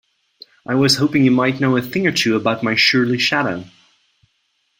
I was hoping you might know a thing or two about my surly shadow?